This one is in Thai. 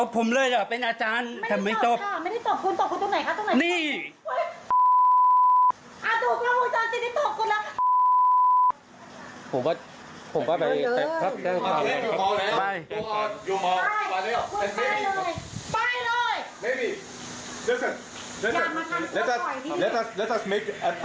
โปรดติดตามตอนต่อไป